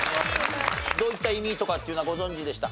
どういった意味とかっていうのはご存じでした？